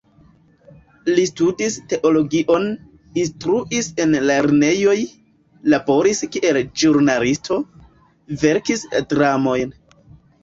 Li studis teologion, instruis en lernejoj, laboris kiel ĵurnalisto, verkis dramojn.